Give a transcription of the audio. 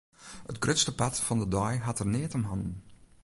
It grutste part fan de dei hat er neat om hannen.